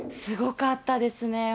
すごかったですね。